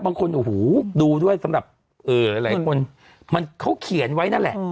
บางคนโอ้โหดูด้วยสำหรับหลายคนมันเขาเขียนไว้นั่นแหละ